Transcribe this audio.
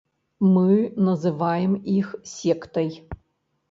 Мы называем іх сектай.